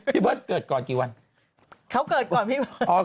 พี่เบิร์ตเกิดก่อนกี่วันเขาเกิดก่อนพี่เบิร์ต